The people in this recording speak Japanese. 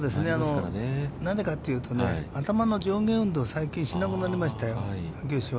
なぜかというと、頭の上下運動を最近しなくなりましたよ、秋吉は。